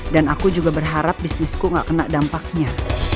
dan aku juga berharap bisnisku gak kena dampaknya